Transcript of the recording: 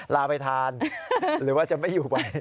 ลาไปทานหรือว่าจะไม่อยู่ไป